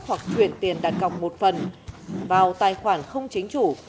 hoặc chuyển tiền đặt cọc một phần vào tài khoản không chính chủ